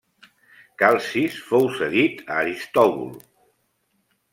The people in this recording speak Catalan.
Calcis fou cedit a Aristòbul.